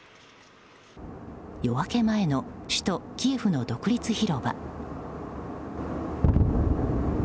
夜明け前の首都キエフの独立広場。